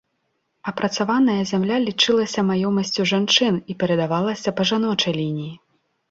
Апрацаваная зямля лічылася маёмасцю жанчын і перадавалася па жаночай лініі.